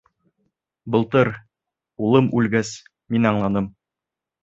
Былтыр... улым үлгәс... мин аңланым...